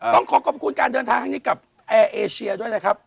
ต้องขอขอบคุณการเดินทางครั้งนี้กับแอร์เอเชียด้วยนะครับ